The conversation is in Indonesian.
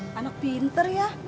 wah anak pinter ya